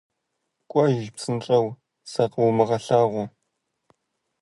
- КӀуэж, псынщӀэу, закъыумыгъэлъагъу!